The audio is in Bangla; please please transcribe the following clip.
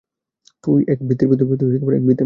তুই এক বৃত্তের মধ্যেই ঘুরছিস!